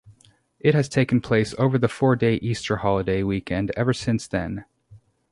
It has taken place over the four-day Easter holiday weekend ever since then.